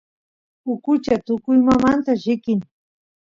ukucha tukuymamanta llikin